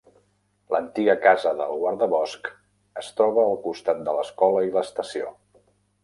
L'antiga casa del guardabosc es troba al costat de l'escola i l'estació.